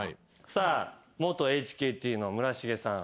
さあ元ＨＫＴの村重さん。